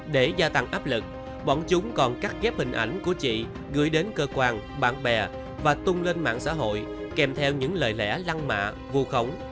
để gia tăng áp lực bọn chúng còn cắt ghép hình ảnh của chị gửi đến cơ quan bạn bè và tung lên mạng xã hội kèm theo những lời lẽ lăng mạ vù khống